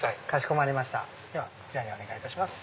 こちらにお願いいたします。